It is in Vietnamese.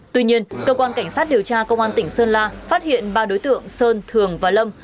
tuy nhiên cơ quan cảnh sát điều tra công an tỉnh sơn la phát hiện ba đối tượng sơn thường và lâm